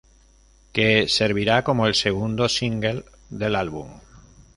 Que servirá como el segundo single del álbum.